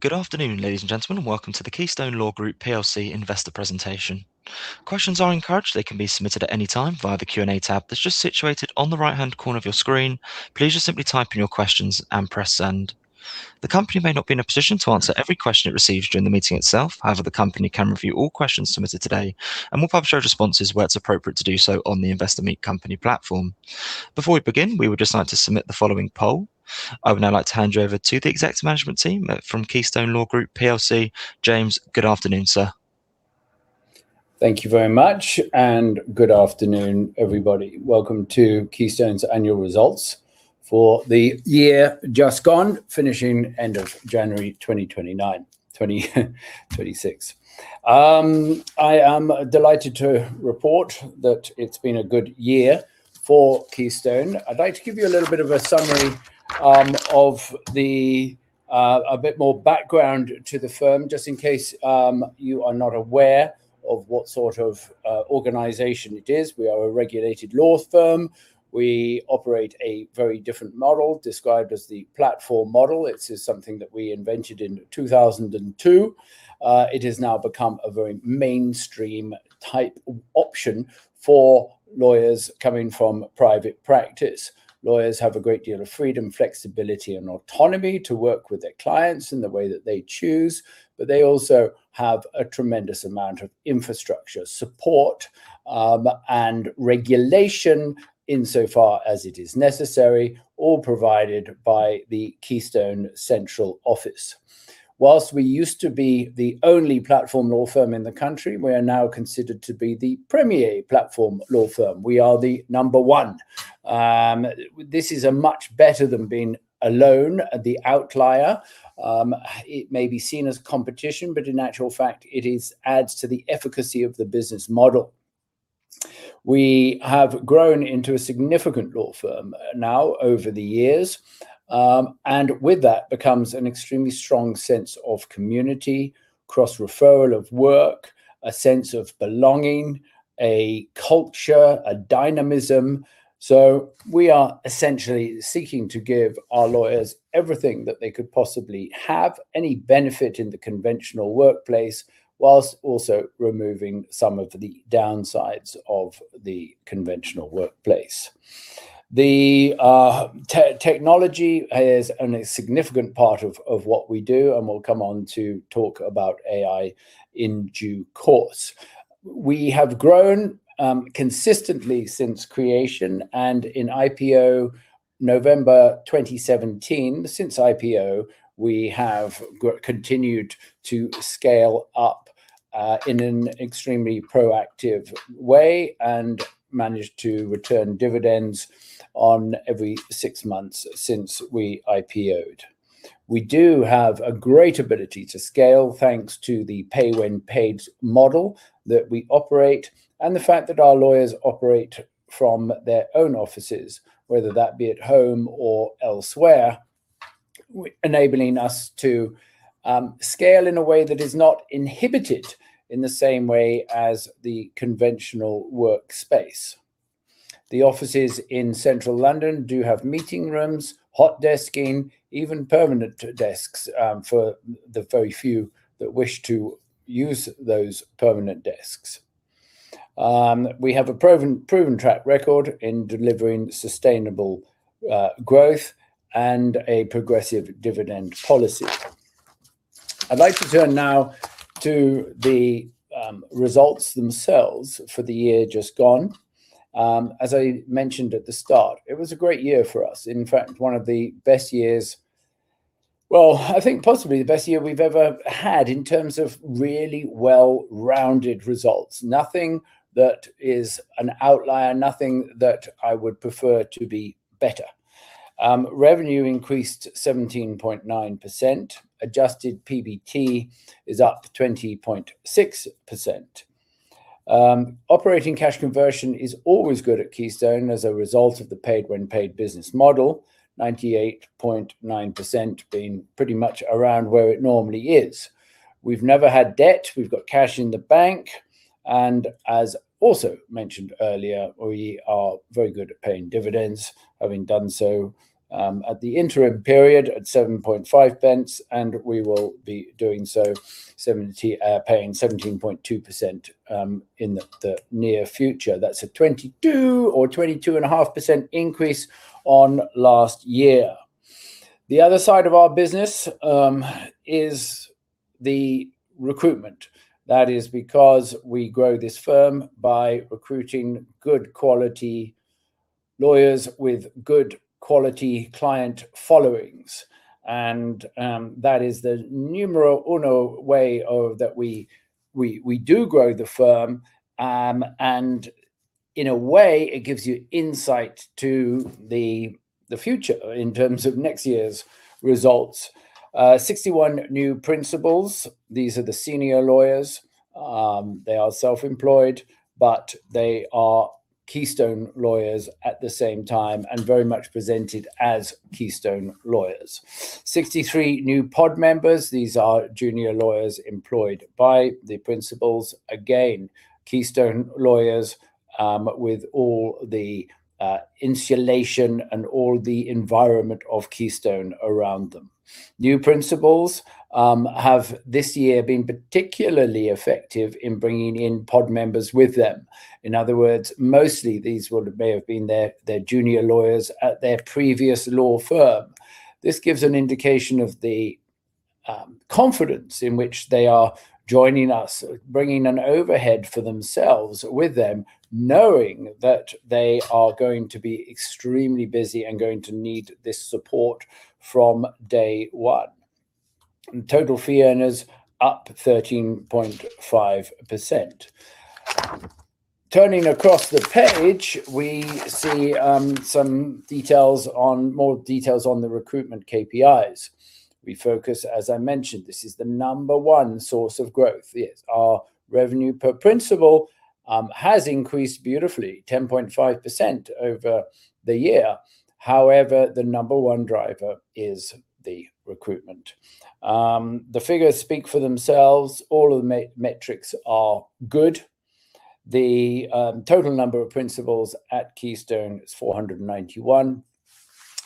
Good afternoon, ladies and gentlemen, and welcome to the Keystone Law Group PLC investor presentation. Questions are encouraged. They can be submitted at any time via the Q&A tab that's just situated on the right-hand corner of your screen. Please just simply type in your questions and press send. The company may not be in a position to answer every question it receives during the meeting itself. The company can review all questions submitted today and will publish our responses where it's appropriate to do so on the Investor Meet Company platform. Before we begin, we would just like to submit the following poll. I would now like to hand you over to the exec management team from Keystone Law Group PLC. James, good afternoon, sir. Thank you very much, good afternoon, everybody. Welcome to Keystone's annual results for the year just gone, finishing end of January 2026. I am delighted to report that it's been a good year for Keystone. I'd like to give you a little bit of a summary, a bit more background to the firm just in case you are not aware of what sort of organization it is. We are a regulated law firm. We operate a very different model described as the platform model. It is something that we invented in 2002. It has now become a very mainstream type option for lawyers coming from private practice. Lawyers have a great deal of freedom, flexibility, and autonomy to work with their clients in the way that they choose, but they also have a tremendous amount of infrastructure support, and regulation insofar as it is necessary, all provided by the Keystone central office. We used to be the only platform law firm in the country, we are now considered to be the premier platform law firm. We are the number one. This is a much better than being alone, the outlier. It may be seen as competition, in actual fact it adds to the efficacy of the business model. We have grown into a significant law firm now over the years, with that becomes an extremely strong sense of community, cross-referral of work, a sense of belonging, a culture, a dynamism. We are essentially seeking to give our lawyers everything that they could possibly have, any benefit in the conventional workplace, while also removing some of the downsides of the conventional workplace. The technology is a significant part of what we do, and we'll come on to talk about AI in due course. We have grown consistently since creation, and in IPO November 2017, since IPO, we have continued to scale up in an extremely proactive way and managed to return dividends on every six months since we IPO'd. We do have a great ability to scale, thanks to the pay-when-paid model that we operate and the fact that our lawyers operate from their own offices, whether that be at home or elsewhere, enabling us to scale in a way that is not inhibited in the same way as the conventional workplace. The offices in Central London do have meeting rooms, hot desking, even permanent desks, for the very few that wish to use those permanent desks. We have a proven track record in delivering sustainable growth and a progressive dividend policy. I'd like to turn now to the results themselves for the year just gone. As I mentioned at the start, it was a great year for us. In fact, one of the best years. Well, I think possibly the best year we've ever had in terms of really well-rounded results. Nothing that is an outlier, nothing that I would prefer to be better. Revenue increased 17.9%. Adjusted PBT is up 20.6%. Operating cash conversion is always good at Keystone as a result of the pay-when-paid business model, 98.9% being pretty much around where it normally is. We've never had debt. We've got cash in the bank. As also mentioned earlier, we are very good at paying dividends, having done so at the interim period at 0.075, paying 17.2% in the near future. That's a 22% or 22.5% increase on last year. The other side of our business is the recruitment. That is because we grow this firm by recruiting good quality lawyers with good quality client followings. That is the numero uno way that we do grow the firm. In a way, it gives you insight to the future in terms of next year's results. 61 new Principals. These are the senior lawyers. They are self-employed, but they are Keystone lawyers at the same time, and very much presented as Keystone lawyers. 63 new Pod Members. These are junior lawyers employed by the Principals. Again, Keystone lawyers, with all the insulation and all the environment of Keystone around them. New Principals have this year been particularly effective in bringing in pod members with them. In other words, mostly these would or may have been their junior lawyers at their previous law firm. This gives an indication of the confidence in which they are joining us, bringing an overhead for themselves with them, knowing that they are going to be extremely busy and going to need this support from day one. Total fee earners up 13.5%. Turning across the page, we see some details on, more details on the recruitment KPIs. We focus, as I mentioned, this is the number one source of growth. Yes, our revenue per Principal has increased beautifully, 10.5% over the year. However, the number one driver is the recruitment. The figures speak for themselves. All of the metrics are good. The total number of Principals at Keystone is 491,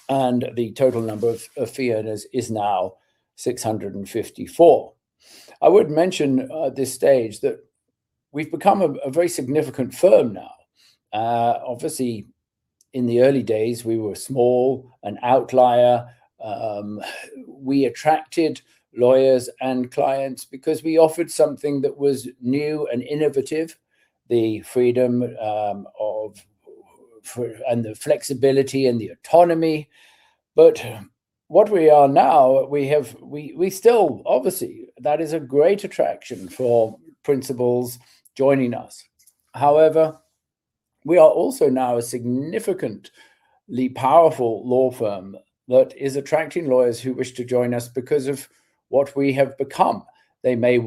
and the total number of fee earners is now 654. I would mention at this stage that we've become a very significant firm now. Obviously, in the early days, we were small, an outlier. We attracted lawyers and clients because we offered something that was new and innovative: the freedom, the flexibility, and the autonomy. What we are now, obviously, that is a great attraction for Principals joining us. We are also now a significantly powerful law firm that is attracting lawyers who wish to join us because of what we have become. They may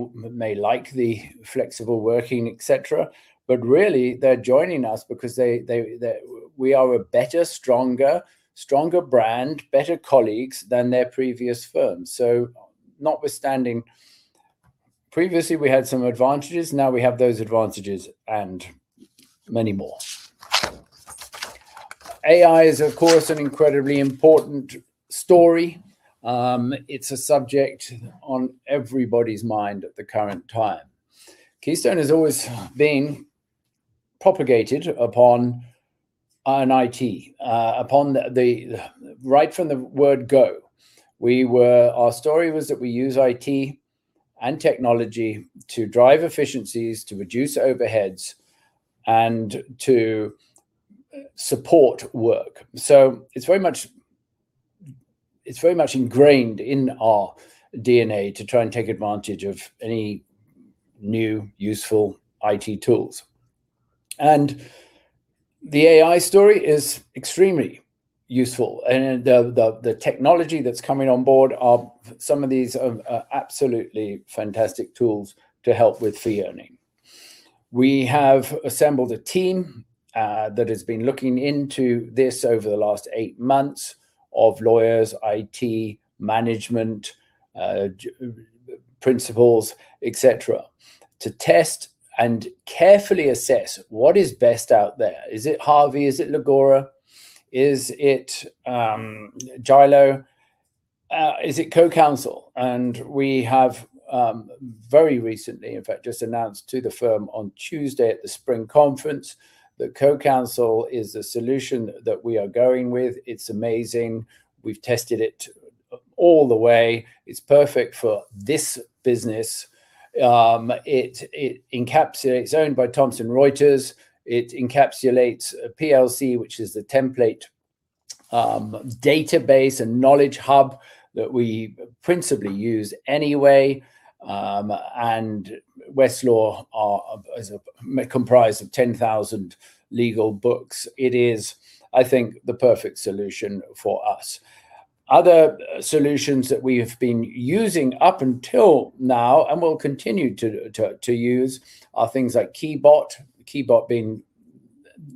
like the flexible working, et cetera, but really they're joining us because they, we are a better, stronger brand, better colleagues than their previous firms. Notwithstanding, previously we had some advantages, now we have those advantages and many more. AI is, of course, an incredibly important story. It's a subject on everybody's mind at the current time. Keystone has always been propagated upon our IT, right from the word go. Our story was that we use IT and technology to drive efficiencies, to reduce overheads, and to support work. It's very much ingrained in our DNA to try and take advantage of any new, useful IT tools. The AI story is extremely useful and the technology that's coming on board are some of these are absolutely fantastic tools to help with fee earning. We have assembled a team that has been looking into this over the last eight months of lawyers, IT, management, Principals, et cetera, to test and carefully assess what is best out there. Is it Harvey? Is it Legora? Is it Juro? Is it CoCounsel? We have very recently, in fact, just announced to the firm on Tuesday at the spring conference that CoCounsel is the solution that we are going with. It's amazing. We've tested it all the way. It's perfect for this business. It's owned by Thomson Reuters. It encapsulates PLC, which is the template database and knowledge hub that we principally use anyway, and Westlaw is a, comprised of 10,000 legal books. It is, I think, the perfect solution for us. Other solutions that we have been using up until now and will continue to use are things like KeyBot. KeyBot being,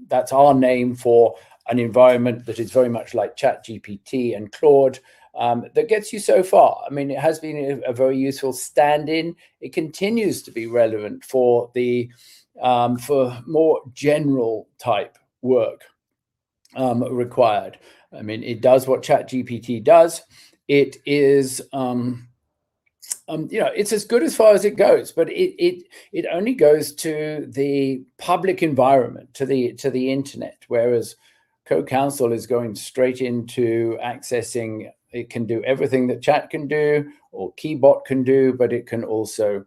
that's our name for an environment that is very much like ChatGPT and Claude that gets you so far. I mean, it has been a very useful stand-in. It continues to be relevant for the for more general type work required. I mean, it does what ChatGPT does. It is, you know, it's as good as far as it goes, but it, it only goes to the public environment, to the internet, whereas CoCounsel is going straight into accessing. It can do everything that Chat can do or KeyBot can do, but it can also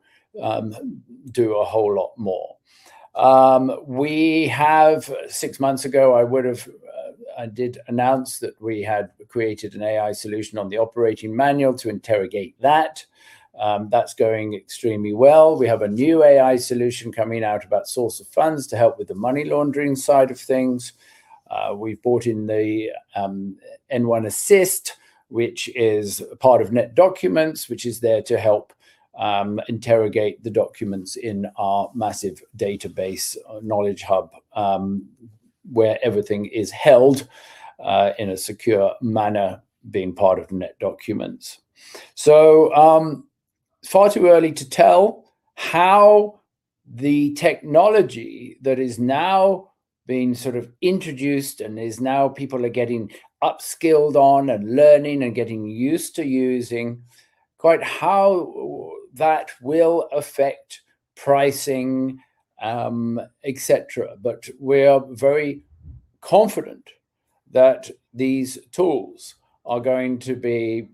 do a whole lot more. We have, six months ago, I did announce that we had created an AI solution on the operating manual to interrogate that. That's going extremely well. We have a new AI solution coming out about source of funds to help with the money laundering side of things. We've brought in the ndMAX Assist, which is part of NetDocuments, which is there to help interrogate the documents in our massive database knowledge hub, where everything is held in a secure manner being part of NetDocuments. Far too early to tell how the technology that is now being sort of introduced—is now people are getting upskilled on, learning, and getting used to using, quite how that will affect pricing, et cetera. We're very confident that these tools are going to be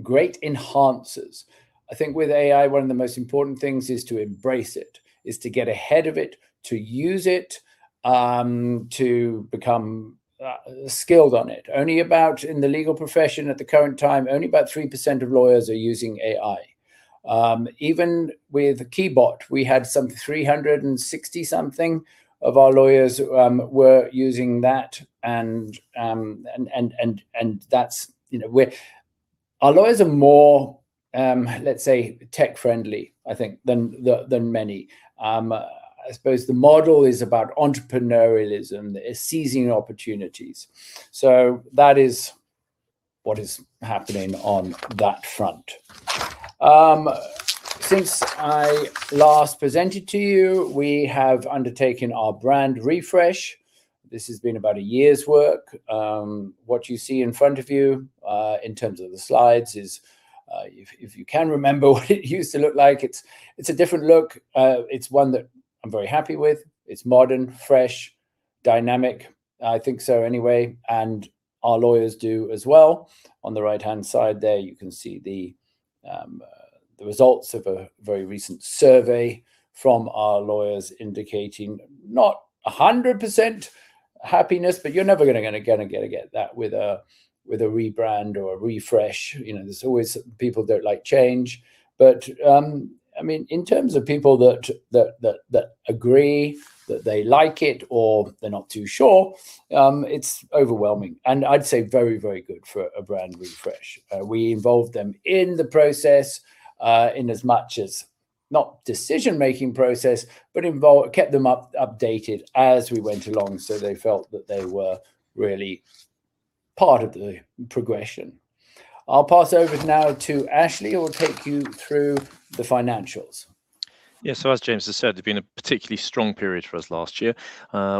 great enhancers. I think with AI, one of the most important things is to embrace it, is to get ahead of it, to use it, to become skilled on it. In the legal profession at the current time, only about 3% of lawyers are using AI. Even with KeyBot, we had some 360 something of our lawyers were using that. Our lawyers are more, let's say tech friendly, I think, than many. I suppose the model is about entrepreneurialism, is seizing opportunities. That is what is happening on that front. Since I last presented to you, we have undertaken our brand refresh. This has been about a year's work. What you see in front of you, in terms of the slides is, if you can remember what it used to look like, it's a different look. It's one that I'm very happy with. It's modern, fresh, dynamic. I think so anyway, and our lawyers do as well. On the right-hand side there, you can see the results of a very recent survey from our lawyers indicating not 100% happiness, but you're never gonna get that with a, with a rebrand or a refresh. You know, there's always people don't like change. I mean, in terms of people that agree that they like it or they're not too sure, it's overwhelming, and I'd say very, very good for a brand refresh. We involved them in the process, in as much as, not decision-making process, but involved, kept them up-updated as we went along, so they felt that they were really part of the progression. I'll pass over now to Ashley who will take you through the financials. As James has said, it's been a particularly strong period for us last year,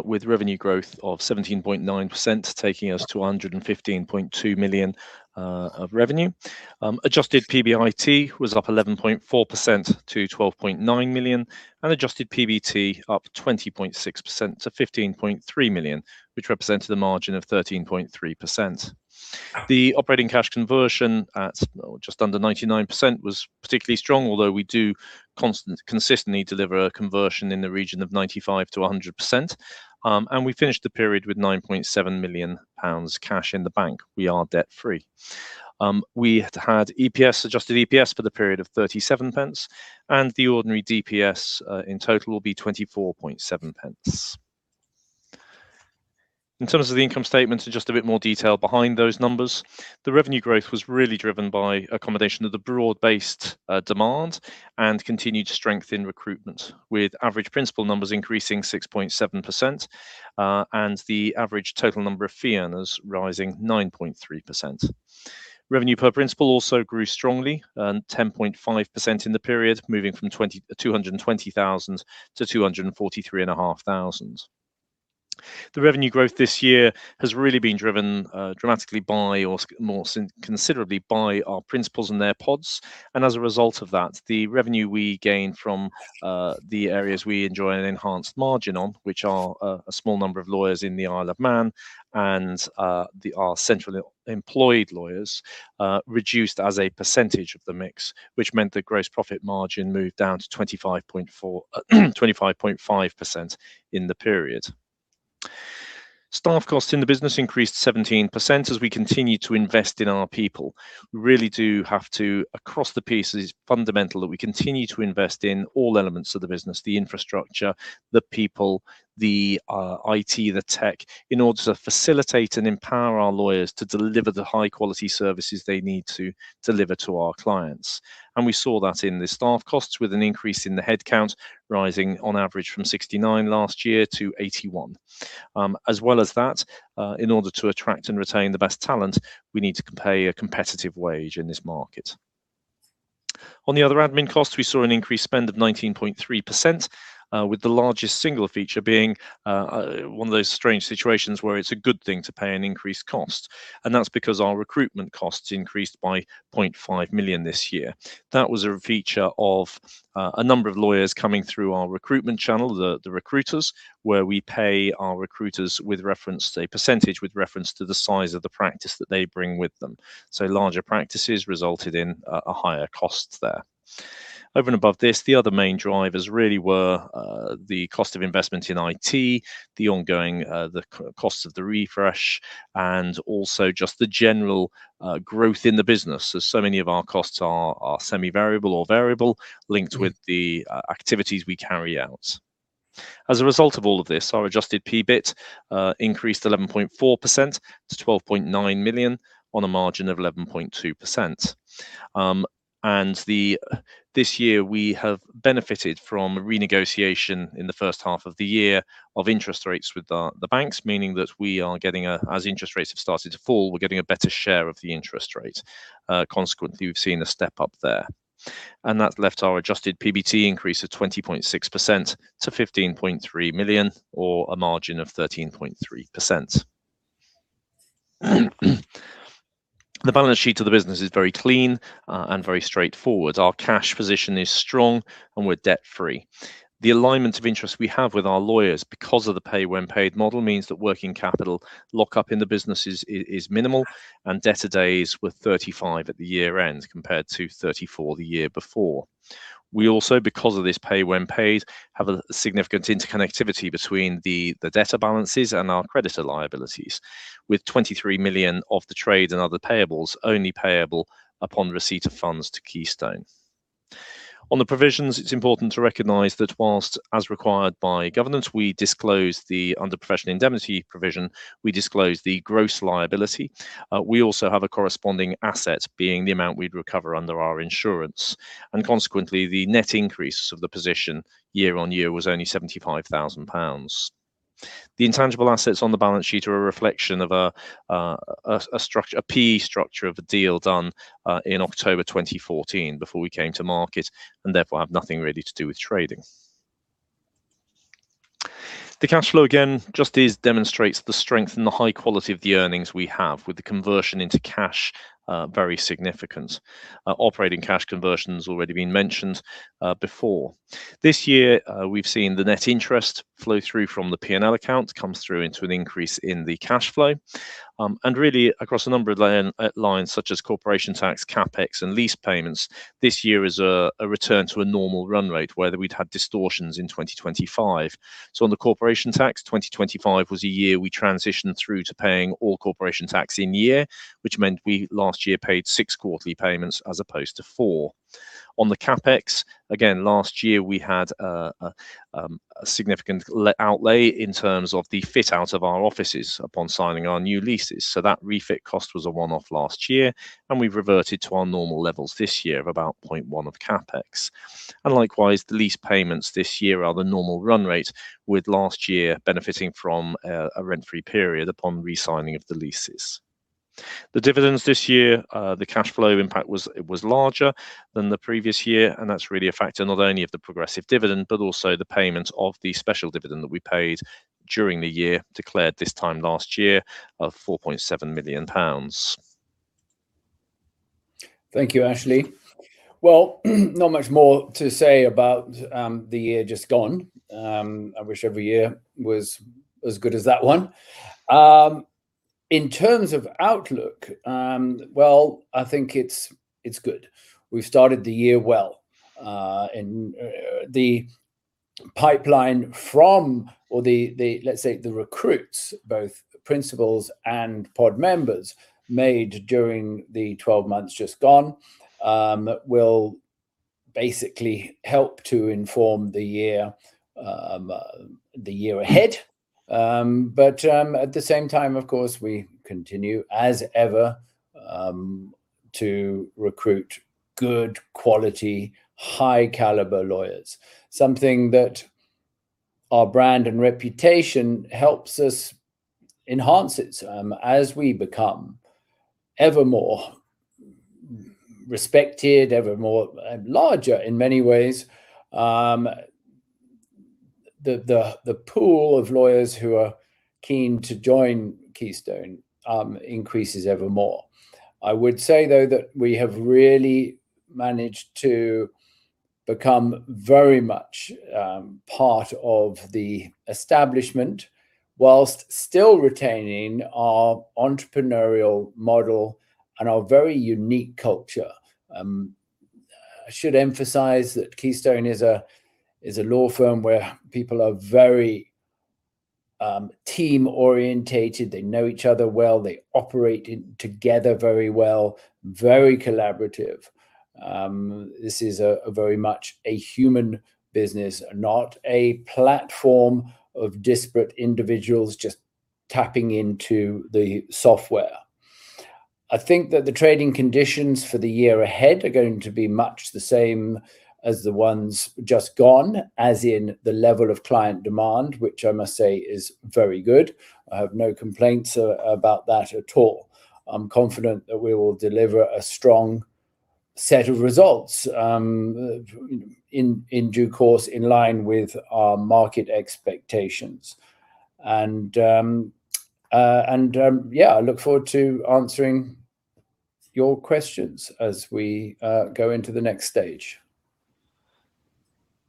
with revenue growth of 17.9%, taking us to 115.2 million of revenue. Adjusted PBIT was up 11.4% to 12.9 million, and adjusted PBT up 20.6% to 15.3 million, which represented a margin of 13.3%. The operating cash conversion at just under 99% was particularly strong, although we do consistently deliver a conversion in the region of 95%-100%. We finished the period with 9.7 million pounds cash in the bank. We are debt-free. We had EPS, adjusted EPS for the period of 0.37, and the ordinary DPS in total will be 0.247. In terms of the income statement, just a bit more detail behind those numbers, the revenue growth was really driven by accommodation of the broad-based demand and continued strength in recruitment, with average Principal numbers increasing 6.7%, and the average total number of fee earners rising 9.3%. Revenue per Principal also grew strongly, earned 10.5% in the period, moving from 220,000 to 243,500. The revenue growth this year has really been driven considerably by our Principals and their pods. As a result of that, the revenue we gain from the areas we enjoy an enhanced margin on, which are a small number of lawyers in the Isle of Man and our centrally employed lawyers reduced as a percentage of the mix, which meant the gross profit margin moved down to 25.4, 25.5% in the period. Staff costs in the business increased 17% as we continue to invest in our people. We really do have to, across the piece, it is fundamental that we continue to invest in all elements of the business, the infrastructure, the people, the IT, the tech, in order to facilitate and empower our lawyers to deliver the high quality services they need to deliver to our clients. We saw that in the staff costs with an increase in the head count, rising on average from 69 last year to 81. As well as that, in order to attract and retain the best talent, we need to pay a competitive wage in this market. On the other admin costs, we saw an increased spend of 19.3%, with the largest single feature being one of those strange situations where it's a good thing to pay an increased cost. That's because our recruitment costs increased by 0.5 million this year. That was a feature of a number of lawyers coming through our recruitment channel, the recruiters, where we pay our recruiters with reference to a percentage, with reference to the size of the practice that they bring with them. Larger practices resulted in a higher cost there. Over and above this, the other main drivers really were the cost of investment in IT, the ongoing cost of the refresh, and also just the general growth in the business, as so many of our costs are semi-variable or variable, linked with the activities we carry out. As a result of all of this, our adjusted PBIT increased 11.4% to 12.9 million on a margin of 11.2%. This year we have benefited from renegotiation in the first half of the year of interest rates with the banks, meaning that we are getting, as interest rates have started to fall, we're getting a better share of the interest rate. Consequently, we've seen a step up there. That's left our adjusted PBT increase of 20.6% to 15.3 million or a margin of 13.3%. The balance sheet of the business is very clean and very straightforward. Our cash position is strong, and we're debt-free. The alignment of interest we have with our lawyers because of the pay-when-paid model means that working capital lockup in the business is minimal, and debtor days were 35 at the year-end compared to 34 the year before. We also, because of this pay-when-paid, have a significant interconnectivity between the debtor balances and our creditor liabilities, with 23 million of the trade and other payables only payable upon receipt of funds to Keystone. On the provisions, it's important to recognize that whilst, as required by governance, we disclose the under professional indemnity provision, we disclose the gross liability. We also have a corresponding asset being the amount we'd recover under our insurance. Consequently, the net increase of the position year on year was only 75,000 pounds. The intangible assets on the balance sheet are a reflection of a structure, a PE structure of a deal done in October 2014 before we came to market and therefore have nothing really to do with trading. The cash flow again, just demonstrates the strength and the high quality of the earnings we have with the conversion into cash, very significant. Operating cash conversion's already been mentioned before. This year, we've seen the net interest flow through from the P&L account, comes through into an increase in the cash flow. Really across a number of lines such as corporation tax, CapEx, and lease payments, this year is a return to a normal run rate where we'd had distortions in 2025. On the corporation tax, 2025 was a year we transitioned through to paying all corporation tax in year, which meant we last year paid six quarterly payments as opposed to four. On the CapEx, again, last year we had a significant outlay in terms of the fit out of our offices upon signing our new leases. That refit cost was a one-off last year, and we've reverted to our normal levels this year of about 0.1 of CapEx. Likewise, the lease payments this year are the normal run rate, with last year benefiting from a rent-free period upon re-signing of the leases. The dividends this year, the cash flow impact was larger than the previous year. That's really a factor not only of the progressive dividend, but also the payment of the special dividend that we paid during the year, declared this time last year of 4.7 million pounds. Thank you, Ashley. Not much more to say about the year just gone. I wish every year was as good as that one. In terms of outlook, I think it's good. We've started the year well. The pipeline from or let's say the recruits, both Principals and pod members made during the 12 months just gone, will basically help to inform, the year ahead. At the same time, of course, we continue, as ever, to recruit good quality, high caliber lawyers. Something that our brand and reputation helps us enhance it, as we become ever more respected, ever more larger in many ways. The pool of lawyers who are keen to join Keystone, increases ever more. I would say, though, that we have really managed to become very much part of the establishment whilst still retaining our entrepreneurial model and our very unique culture. I should emphasize that Keystone is a law firm where people are very team-orientated. They know each other well. They operate together very well, very collaborative. This is a very much a human business, not a platform of disparate individuals just tapping into the software. I think that the trading conditions for the year ahead are going to be much the same as the ones just gone, as in the level of client demand, which I must say is very good. I have no complaints about that at all. I'm confident that we will deliver a strong set of results in due course, in line with our market expectations. Yeah, I look forward to answering your questions as we go into the next stage.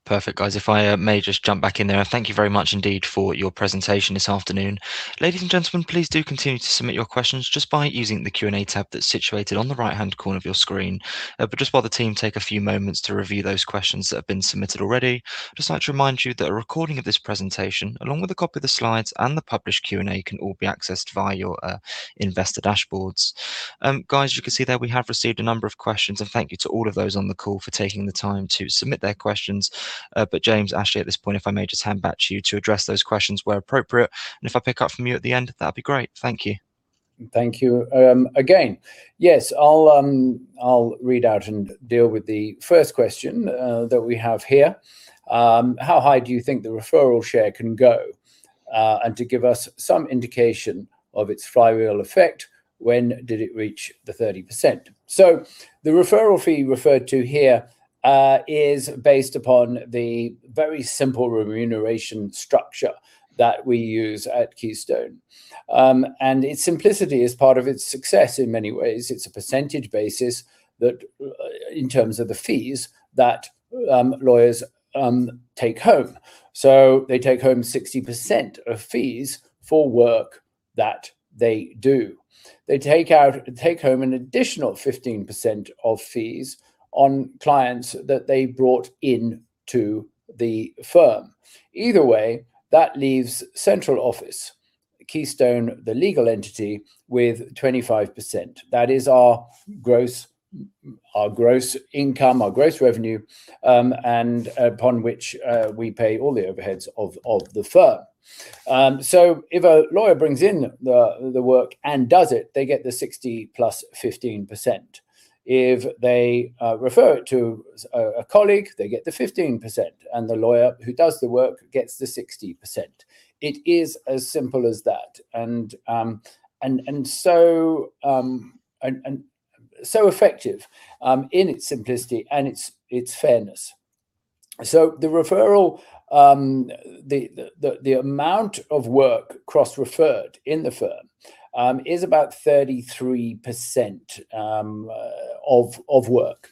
Perfect, guys. If I may just jump back in there. Thank you very much indeed for your presentation this afternoon. Ladies and gentlemen, please do continue to submit your questions just by using the Q&A tab that's situated on the right-hand corner of your screen. Just while the team take a few moments to review those questions that have been submitted already, I'd just like to remind you that a recording of this presentation, along with a copy of the slides and the published Q&A, can all be accessed via your investor dashboards. Guys, you can see that we have received a number of questions, and thank you to all of those on the call for taking the time to submit their questions. James, Ashley, at this point, if I may just hand back to you to address those questions where appropriate. If I pick up from you at the end, that'd be great. Thank you. Thank you, again. Yes, I'll read out and deal with the first question that we have here. How high do you think the referral share can go? To give us some indication of its flywheel effect, when did it reach the 30%? The referral fee referred to here is based upon the very simple remuneration structure that we use at Keystone. Its simplicity is part of its success in many ways. It's a percentage basis that in terms of the fees that lawyers take home. They take home 60% of fees for work that they do. They take home an additional 15% of fees on clients that they brought into the firm. Either way, that leaves central office, Keystone, the legal entity, with 25%. That is our gross income, our gross revenue, and upon which we pay all the overheads of the firm. If a lawyer brings in the work and does it, they get the 60%+ 15%. If they refer it to a colleague, they get the 15%, and the lawyer who does the work gets the 60%. It is as simple as that. Effective in its simplicity and its fairness. The referral, the amount of work cross-referred in the firm is about 33% of work.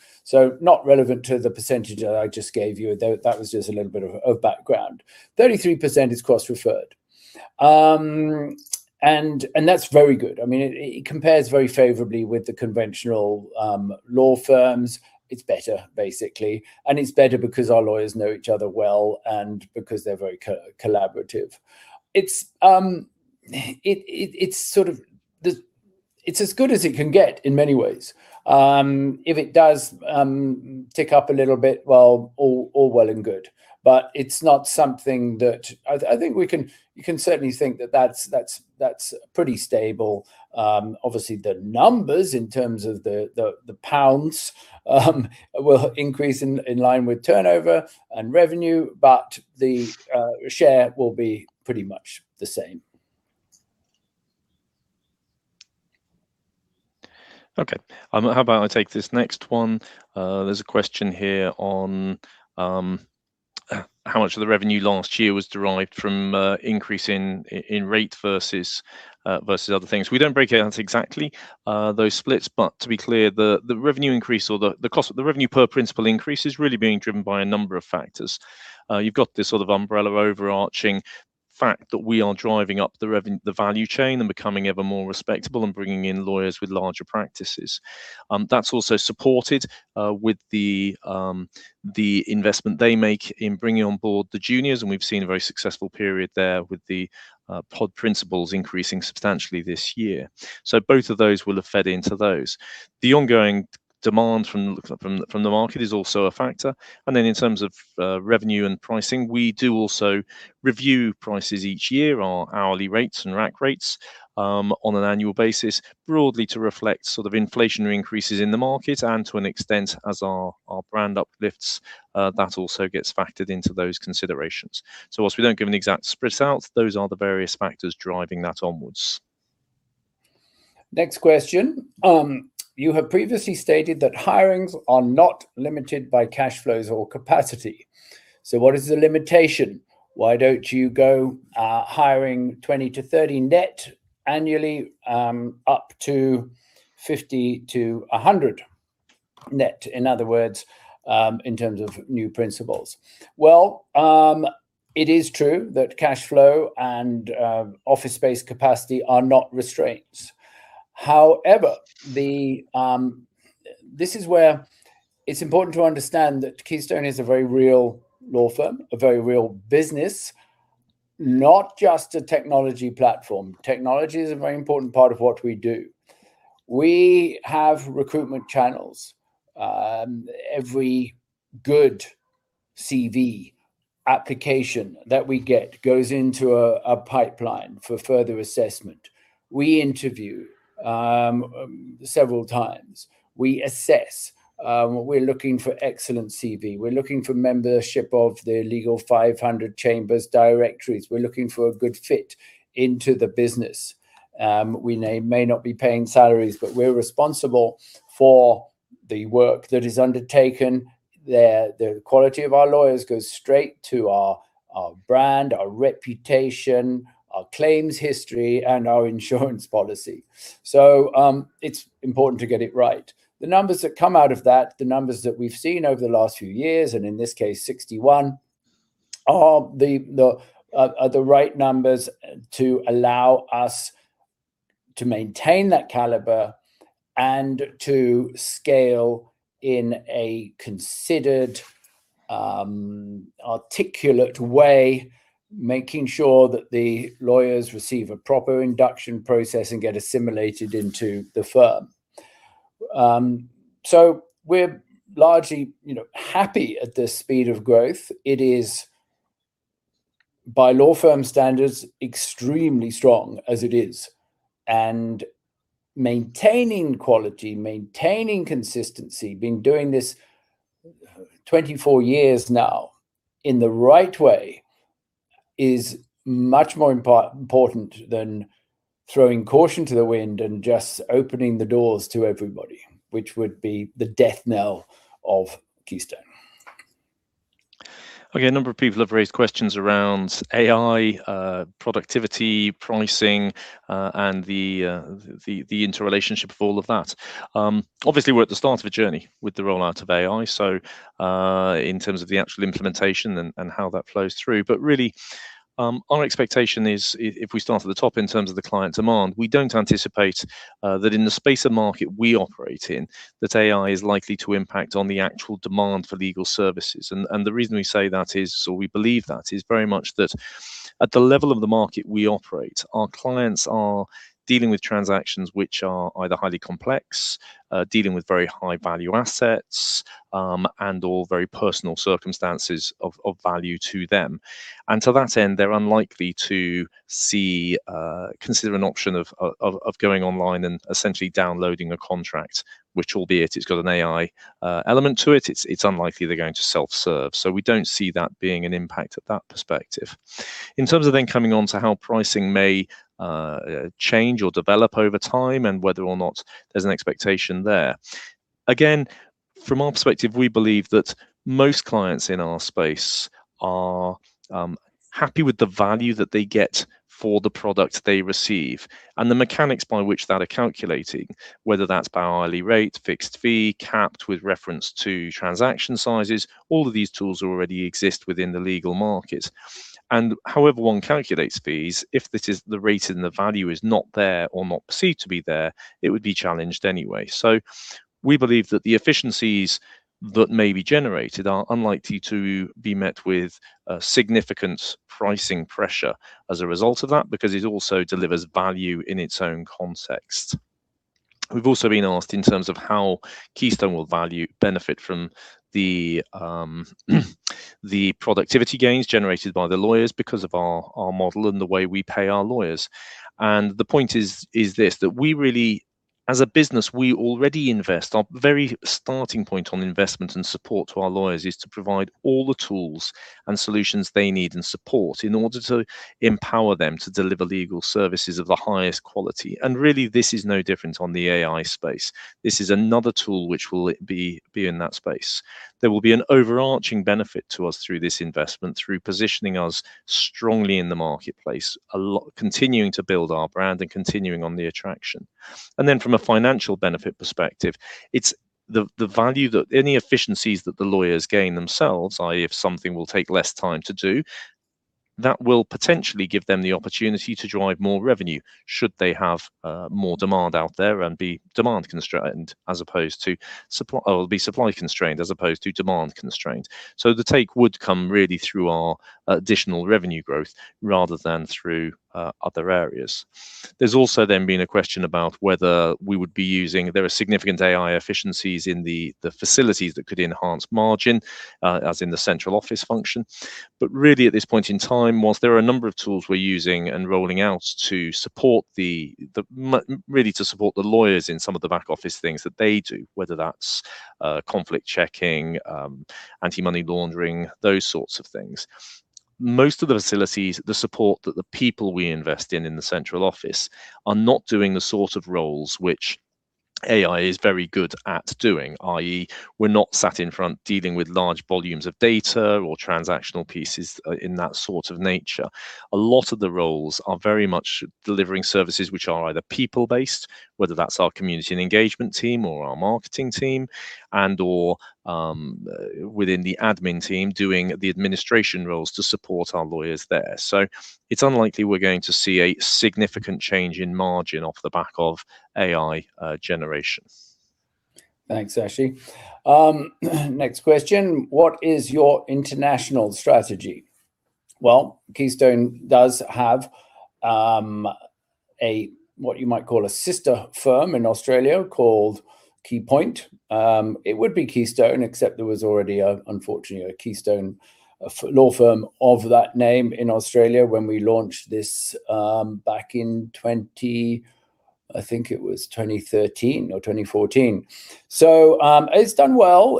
Not relevant to the percentage that I just gave you. Though that was just a little bit of background. 33% is cross-referred. That's very good. I mean it compares very favorably with the conventional law firms. It's better basically, and it's better because our lawyers know each other well and because they're very co-collaborative. It's sort of the, it's as good as it can get in many ways. If it does tick up a little bit, well, all well and good. I think you can certainly think that that's pretty stable. Obviously the numbers in terms of the GBP will increase in line with turnover and revenue, but the share will be pretty much the same. Okay. How about I take this next one? There's a question here on how much of the revenue last year was derived from increase in rate versus other things. We don't break it out exactly those splits, but to be clear, the revenue increase or the cost of the revenue per Principal increase is really being driven by a number of factors. You've got this sort of umbrella overarching fact that we are driving up the value chain and becoming ever more respectable and bringing in lawyers with larger practices. That's also supported with the investment they make in bringing on board the juniors, and we've seen a very successful period there with the pod principals increasing substantially this year. Both of those will have fed into those. The ongoing demand from the market is also a factor. In terms of revenue and pricing, we do also review prices each year, our hourly rates and rack rates, on an annual basis broadly to reflect sort of inflationary increases in the market and to an extent as our brand uplifts, that also gets factored into those considerations. Whilst we don't give an exact split out, those are the various factors driving that onwards. Next question. You have previously stated that hirings are not limited by cash flows or capacity. What is the limitation? Why don't you go hiring 20-30 net annually, up to 50-100 net, in other words, in terms of new Principals? Well, it is true that cash flow and office space capacity are not restraints. However, this is where it's important to understand that Keystone is a very real law firm, a very real business, not just a technology platform. Technology is a very important part of what we do. We have recruitment channels. Every good CV application that we get goes into a pipeline for further assessment. We interview several times. We assess. We're looking for excellent CV. We're looking for membership of The Legal 500 and Chambers directories.. We're looking for a good fit into the business. We may not be paying salaries, but we're responsible for the work that is undertaken. The quality of our lawyers goes straight to our brand, our reputation, our claims history, and our insurance policy. It's important to get it right. The numbers that come out of that, the numbers that we've seen over the last few years, and in this case 61, are the right numbers to allow us to maintain that caliber and to scale in a considered, articulate way, making sure that the lawyers receive a proper induction process and get assimilated into the firm. We're largely, you know, happy at the speed of growth. By law firm standards, extremely strong as it is. Maintaining quality, maintaining consistency, been doing this 24 years now in the right way is much more important than throwing caution to the wind and just opening the doors to everybody, which would be the death knell of Keystone. Okay. A number of people have raised questions around AI, productivity, pricing, and the interrelationship of all of that. Obviously we're at the start of a journey with the rollout of AI, in terms of the actual implementation and how that flows through. Really, our expectation is if we start at the top in terms of the client demand, we don't anticipate that in the space of market we operate in, that AI is likely to impact on the actual demand for legal services. The reason we say that is, or we believe that is very much that at the level of the market we operate, our clients are dealing with transactions which are either highly complex, dealing with very high-value assets, and/or very personal circumstances of value to them. To that end, they're unlikely to see, consider an option of going online and essentially downloading a contract, which albeit it's got an AI element to it's unlikely they're going to self-serve. We don't see that being an impact at that perspective. In terms of coming on to how pricing may change or develop over time and whether or not there's an expectation there, again, from our perspective, we believe that most clients in our space are happy with the value that they get for the product they receive and the mechanics by which that are calculating, whether that's by hourly rate, fixed fee, capped with reference to transaction sizes. All of these tools already exist within the legal markets. However one calculates fees, if this is the rate and the value is not there or not perceived to be there, it would be challenged anyway. We believe that the efficiencies that may be generated are unlikely to be met with significant pricing pressure as a result of that because it also delivers value in its own context. We've also been asked in terms of how Keystone will value benefit from the productivity gains generated by the lawyers because of our model and the way we pay our lawyers. The point is this, that we really, as a business, we already invest. Our very starting point on investment and support to our lawyers is to provide all the tools and solutions they need and support in order to empower them to deliver legal services of the highest quality. Really, this is no different on the AI space. This is another tool which will be in that space. There will be an overarching benefit to us through this investment, through positioning us strongly in the marketplace, a lot continuing to build our brand and continuing on the attraction. Then from a financial benefit perspective, it's the value that any efficiencies that the lawyers gain themselves, i.e., if something will take less time to do, that will potentially give them the opportunity to drive more revenue should they have more demand out there and be demand constrained as opposed to supply or be supply constrained as opposed to demand constrained. The take would come really through our additional revenue growth rather than through other areas. There's also then been a question about whether we would be using, there are significant AI efficiencies in the facilities that could enhance margin, as in the central office function. Really at this point in time, whilst there are a number of tools we're using and rolling out to support the, really to support the lawyers in some of the back office things that they do, whether that's conflict checking, anti-money laundering, those sorts of things. Most of the facilities, the support that the people we invest in in the central office are not doing the sort of roles which AI is very good at doing, i.e., we're not sat in front dealing with large volumes of data or transactional pieces in that sort of nature. A lot of the roles are very much delivering services which are either people-based, whether that's our community and engagement team or our marketing team and/or, within the admin team doing the administration roles to support our lawyers there. It's unlikely we're going to see a significant change in margin off the back of AI generation. Thanks, Ashley. Next question. What is your international strategy? Well, Keystone does have a what you might call a sister firm in Australia called Keypoint. It would be Keystone except there was already a, unfortunately a Keystone, a law firm of that name in Australia when we launched this back in 2013 or 2014. It's done well.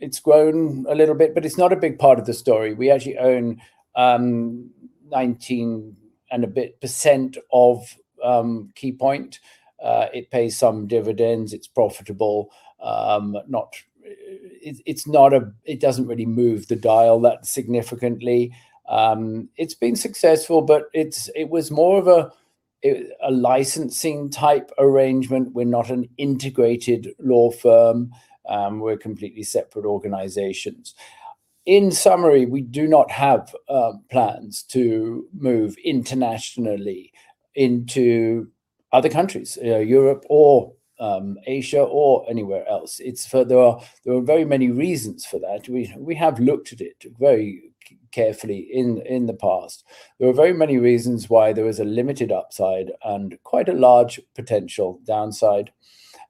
It's grown a little bit, but it's not a big part of the story. We actually own 19 and a bit percent of Keypoint. It pays some dividends, it's profitable. It doesn't really move the dial that significantly. It's been successful, but it was more of a licensing type arrangement. We're not an integrated law firm. We're completely separate organizations. In summary, we do not have plans to move internationally into other countries, Europe or Asia or anywhere else. There are very many reasons for that. We have looked at it very carefully in the past. There are very many reasons why there is a limited upside and quite a large potential downside.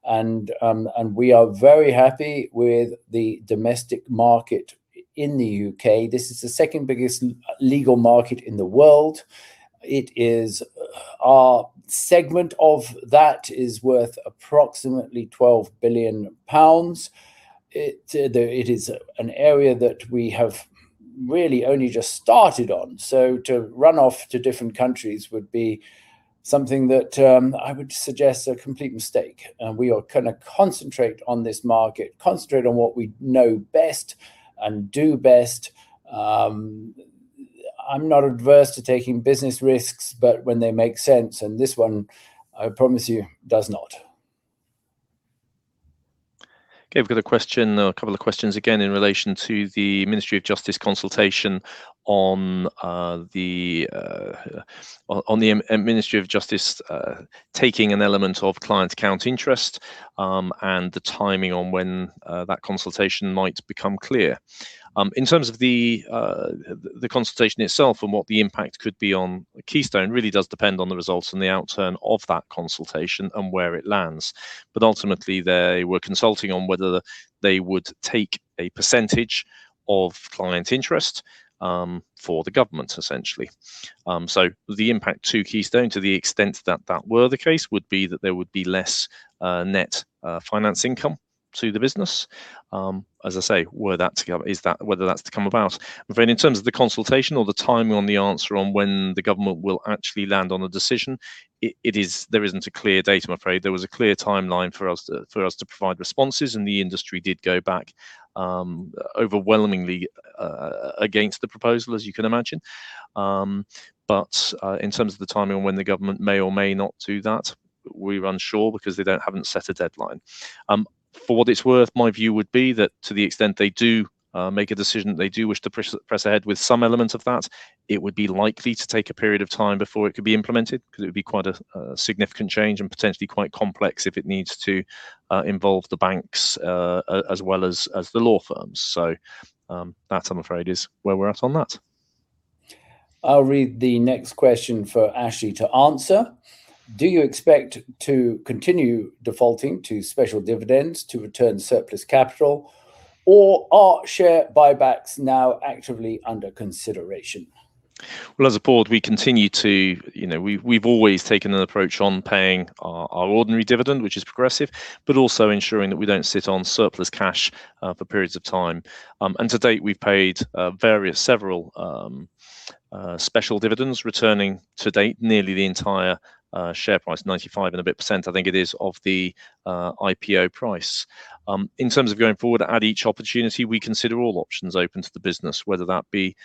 We are very happy with the domestic market in the U.K. This is the second biggest legal market in the world. Our segment of that is worth approximately 12 billion pounds. It is an area that we have really only just started on, so to run off to different countries would be something that I would suggest a complete mistake. We are gonna concentrate on this market, concentrate on what we know best and do best. I'm not adverse to taking business risks, but when they make sense, and this one, I promise you, does not. Okay. We've got a question, a couple of questions again in relation to the Ministry of Justice consultation on the Ministry of Justice taking an element of client account interest, and the timing on when that consultation might become clear. In terms of the consultation itself and what the impact could be on Keystone really does depend on the results and the outturn of that consultation and where it lands. Ultimately they were consulting on whether they would take a percentage of client interest for the government essentially. The impact to Keystone, to the extent that that were the case, would be that there would be less net finance income to the business, as I say, whether that's to come about. In terms of the consultation or the timing on the answer on when the government will actually land on a decision, it is, there isn't a clear date I'm afraid. There was a clear timeline for us to, for us to provide responses, and the industry did go back, overwhelmingly, against the proposal, as you can imagine. In terms of the timing on when the government may or may not do that, we're unsure because they haven't set a deadline. For what it's worth, my view would be that to the extent they do make a decision, they do wish to push, press ahead with some element of that, it would be likely to take a period of time before it could be implemented because it would be quite a significant change and potentially quite complex if it needs to involve the banks as well as the law firms. That, I'm afraid, is where we're at on that. I'll read the next question for Ashley to answer. Do you expect to continue defaulting to special dividends to return surplus capital, or are share buybacks now actively under consideration? As a board, we continue to. You know, we've always taken an approach on paying our ordinary dividend, which is progressive, but also ensuring that we don't sit on surplus cash for periods of time. To date, we've paid various, several special dividends returning to date nearly the entire share price, 95% I think it is, of the IPO price. In terms of going forward, at each opportunity, we consider all options open to the business, whether that be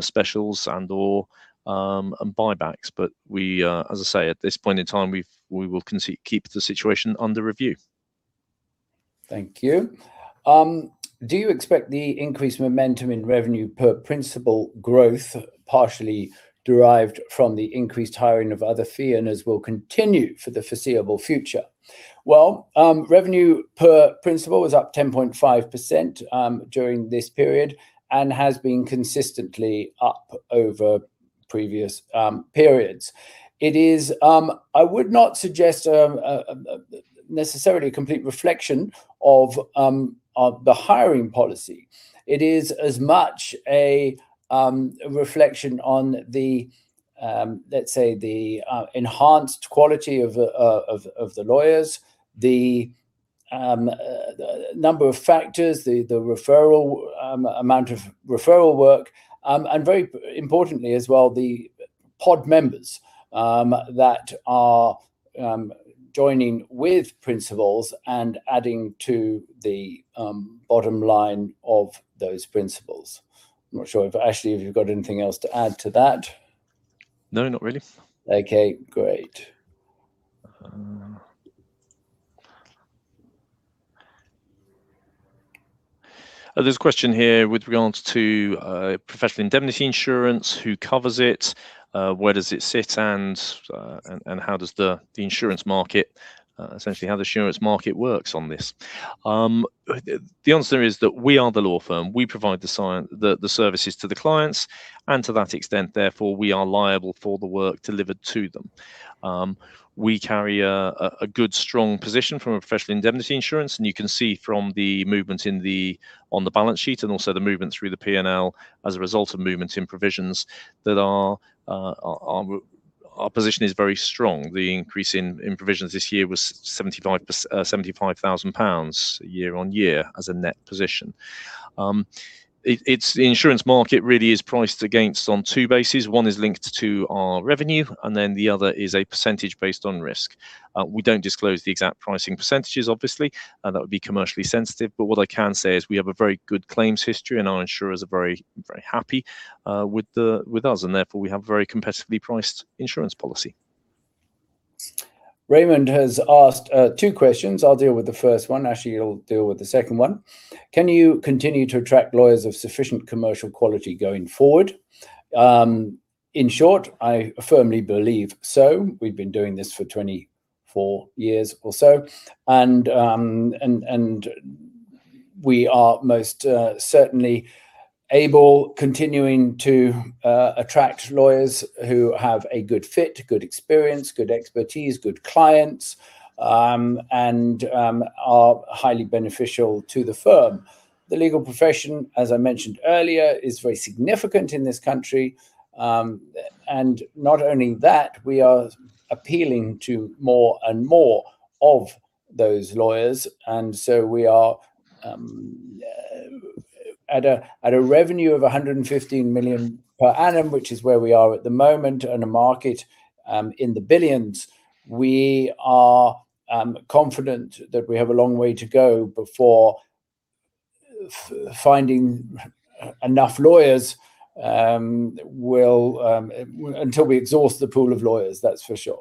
specials and/or buybacks. We, as I say, at this point in time, we will keep the situation under review. Thank you. Do you expect the increased momentum in revenue per principal growth partially derived from the increased hiring of other fee earners will continue for the foreseeable future? Revenue per principal was up 10.5% during this period and has been consistently up over previous periods. It is, I would not suggest necessarily a complete reflection of the hiring policy. It is as much a reflection on the let's say the enhanced quality of the lawyers, the number of factors, the referral amount of referral work, and very importantly as well, the pod members that are joining with Principals and adding to the bottom line of those Principals. I'm not sure if Ashley, you've got anything else to add to that. No, not really. Okay. Great. There's a question here with regards to professional indemnity insurance, who covers it, where does it sit and how does the insurance market works on this. The answer is that we are the law firm. We provide the services to the clients, to that extent, therefore, we are liable for the work delivered to them. We carry a good strong position from a professional indemnity insurance, and you can see from the movement on the balance sheet and also the movement through the P&L as a result of movements in provisions that our position is very strong. The increase in provisions this year was 75,000 pounds year-on-year as a net position. The insurance market really is priced against on two bases. One is linked to our revenue. The other is a percentage based on risk. We don't disclose the exact pricing percentages obviously, that would be commercially sensitive. What I can say is we have a very good claims history and our insurers are very, very happy with us, and therefore we have a very competitively priced insurance policy. Raymond has asked two questions. I'll deal with the first one. Ashley will deal with the second one. Can you continue to attract lawyers of sufficient commercial quality going forward? In short, I firmly believe so. We've been doing this for 24 years or so. We are most certainly able, continuing to attract lawyers who have a good fit, good experience, good expertise, good clients, and are highly beneficial to the firm. The legal profession, as I mentioned earlier, is very significant in this country. Not only that, we are appealing to more and more of those lawyers. So we are at a revenue of 115 million per annum, which is where we are at the moment, and a market in the billions. We are confident that we have a long way to go before finding enough lawyers, well, until we exhaust the pool of lawyers, that's for sure.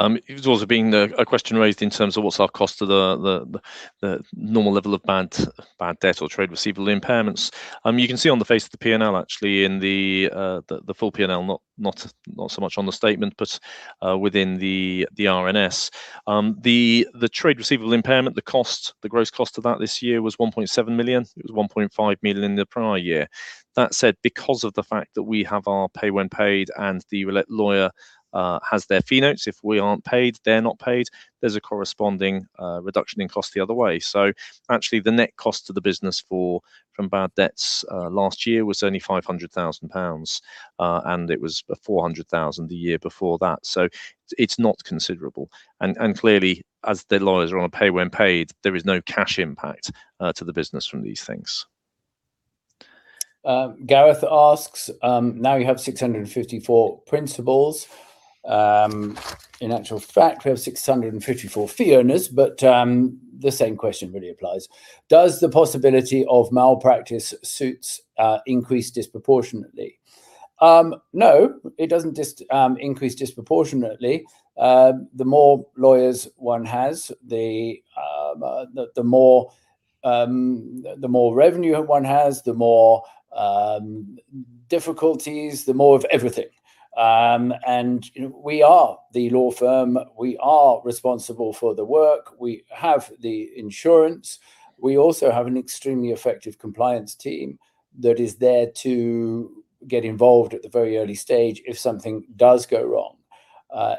It was also been a question raised in terms of what's our cost to the normal level of bad debt or trade receivable impairments. You can see on the face of the P&L actually in the full P&L, not so much on the statement, but within the RNS. The trade receivable impairment, the cost, the gross cost of that this year was 1.7 million. It was 1.5 million in the prior year. That said, because of the fact that we have our pay-when-paid and the relate lawyer has their fee notes, if we aren't paid, they're not paid, there's a corresponding reduction in cost the other way. Actually the net cost to the business for from bad debts last year was only 500,000 pounds. It was 400,000 the year before that. It's not considerable and clearly as the lawyers are on a pay-when-paid, there is no cash impact to the business from these things. Gareth asks, now you have 654 principals. In actual fact we have 654 fee earners, but the same question really applies. Does the possibility of malpractice suits increase disproportionately? No, it doesn't increase disproportionately. The more lawyers one has, the more revenue one has, the more difficulties, the more of everything. You know, we are the law firm, we are responsible for the work, we have the insurance. We also have an extremely effective compliance team that is there to get involved at the very early stage if something does go wrong.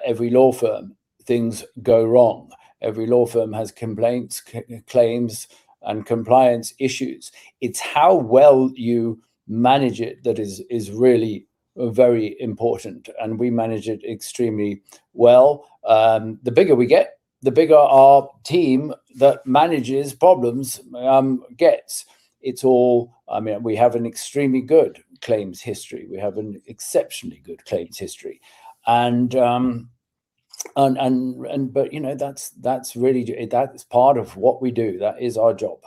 Every law firm, things go wrong. Every law firm has complaints, claims and compliance issues. It's how well you manage it that is really very important and we manage it extremely well. The bigger we get, the bigger our team that manages problems gets. We have an extremely good claims history. We have an exceptionally good claims history. You know, that's part of what we do. That is our job.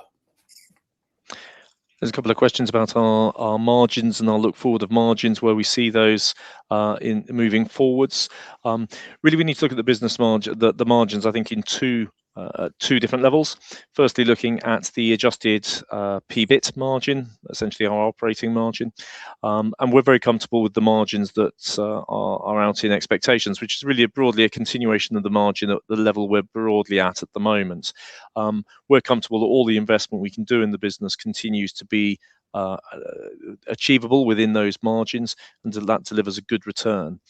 There's a couple of questions about our margins and our look forward of margins where we see those in moving forwards. Really we need to look at the margins, I think in two different levels. Firstly, looking at the adjusted PBIT margin, essentially our operating margin. And we're very comfortable with the margins that are out in expectations, which is really broadly a continuation of the margin at the level we're broadly at at the moment. We're comfortable that all the investment we can do in the business continues to be achievable within those margins and that delivers a good return.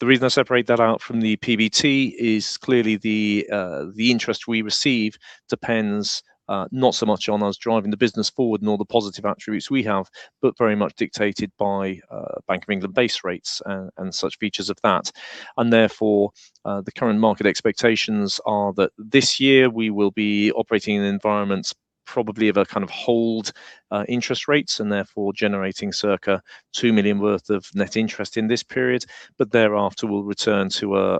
The reason I separate that out from the PBT is clearly the interest we receive depends not so much on us driving the business forward, nor the positive attributes we have. Very much dictated by Bank of England base rates and such features of that. Therefore, the current market expectations are that this year we will be operating in environments probably of a kind of hold interest rates and therefore generating circa 2 million worth of net interest in this period. Thereafter, we'll return to a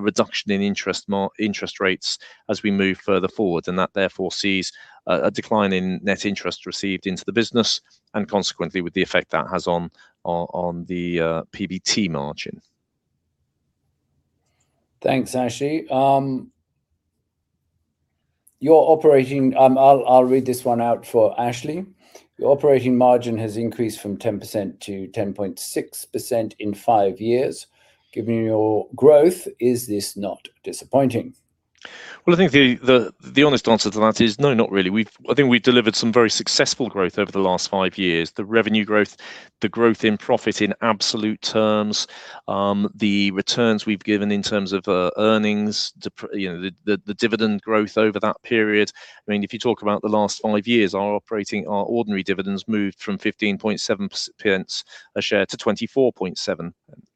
reduction in interest rates as we move further forward. That therefore sees a decline in net interest received into the business and consequently with the effect that has on the PBT margin. Thanks, Ashley. I'll read this one out for Ashley. Your operating margin has increased from 10% to 10.6% in five years. Given your growth, is this not disappointing? I think the honest answer to that is no, not really. I think we've delivered some very successful growth over the last five years. The revenue growth, the growth in profit in absolute terms, the returns we've given in terms of earnings, the dividend growth over that period. If you talk about the last five years, our operating, our ordinary dividends moved from 0.157 a share- 0.247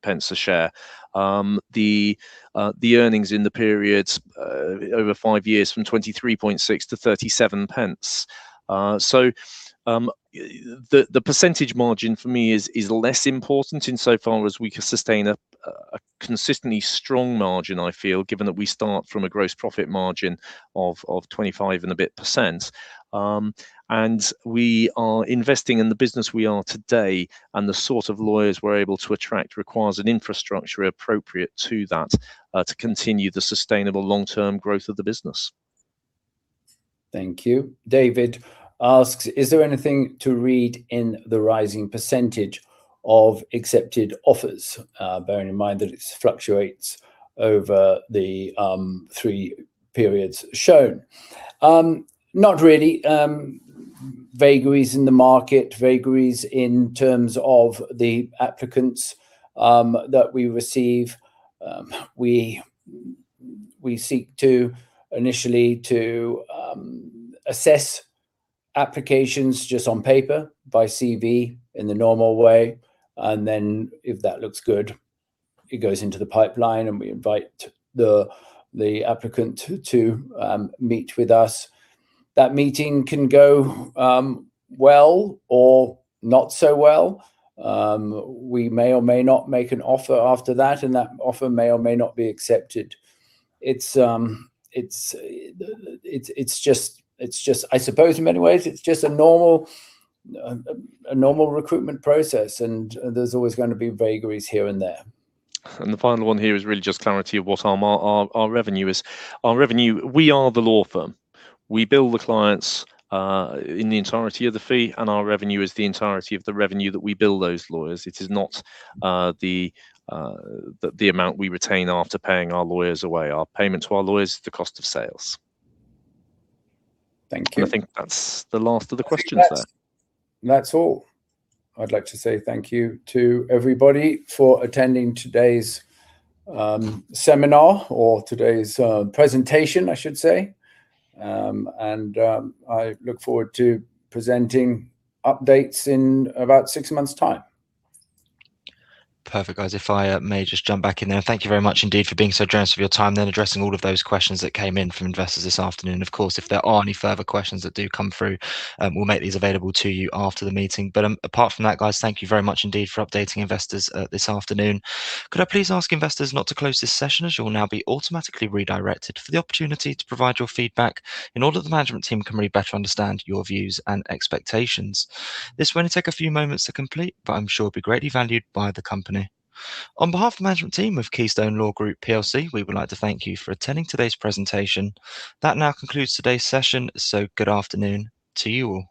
a share. The earnings in the period over five years from 0.236-0.37. The percentage margin for me is less important in so far as we can sustain a consistently strong margin, I feel, given that we start from a gross profit margin of 25%. We are investing in the business we are today, and the sort of lawyers we're able to attract requires an infrastructure appropriate to that to continue the sustainable long-term growth of the business. Thank you. David asks, is there anything to read in the rising percentage of accepted offers. Bearing in mind that it fluctuates over the three periods shown. Not really. Vagaries in the market, vagaries in terms of the applicants that we receive. We seek to initially assess applications just on paper by CV in the normal way, and then if that looks good, it goes into the pipeline, and we invite the applicant to meet with us. That meeting can go well or not so well. We may or may not make an offer after that, and that offer may or may not be accepted. It's just I suppose in many ways it's just a normal recruitment process and there's always gonna be vagaries here and there. The final one here is really just clarity of what our revenue is. Our revenue, we are the law firm. We bill the clients in the entirety of the fee, and our revenue is the entirety of the revenue that we bill those lawyers. It is not the amount we retain after paying our lawyers away. Our payment to our lawyers is the cost of sales. Thank you. I think that's the last of the questions there. I think that's all. I'd like to say thank you to everybody for attending today's seminar or today's presentation I should say. I look forward to presenting updates in about six months' time. Perfect, guys. If I may just jump back in there. Thank you very much indeed for being so generous with your time then addressing all of those questions that came in from investors this afternoon. Of course, if there are any further questions that do come through, we'll make these available to you after the meeting. Apart from that, guys, thank you very much indeed for updating investors this afternoon. Could I please ask investors not to close this session as you will now be automatically redirected for the opportunity to provide your feedback in order the management team can really better understand your views and expectations. This will only take a few moments to complete, but I'm sure it'll be greatly valued by the company. On behalf of the management team of Keystone Law Group PLC, we would like to thank you for attending today's presentation. That now concludes today's session, so good afternoon to you all.